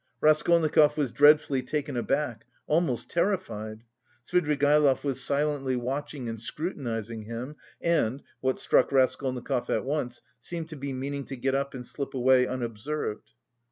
Raskolnikov was dreadfully taken aback, almost terrified. Svidrigaïlov was silently watching and scrutinising him and, what struck Raskolnikov at once, seemed to be meaning to get up and slip away unobserved.